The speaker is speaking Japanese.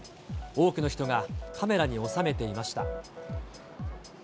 多くの人がカメラに収めていました。